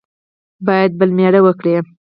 باید بل مېړه وکړي.